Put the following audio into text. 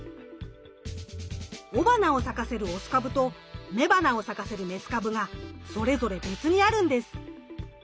雄花を咲かせるオス株と雌花を咲かせるメス株がそれぞれ別にあるんです。